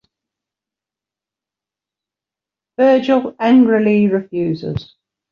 Virgil angrily refuses.